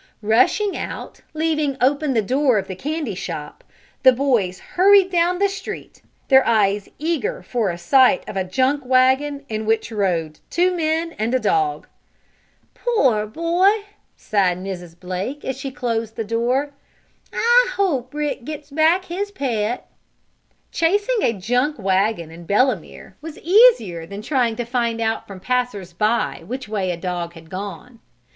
Rushing out, leaving open the door of the candy shop, the boys hurried down the street, their eyes eager for a sight of a junk wagon in which rode two men and a dog. "Poor boy!" sighed Mrs. Blake, as she closed the door. "I hope Rick gets back his pet." Tracing a junk wagon in Belemere was easier than trying to find out from passers by which way a dog had gone.